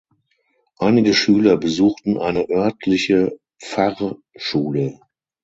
Einige Schüler besuchten eine örtliche Pfarrschule.